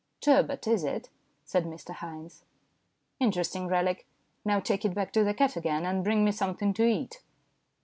"Turbot, is it?" said Mr Haynes. " Interesting relic. Now take it back to the cat again, and bring me something to eat."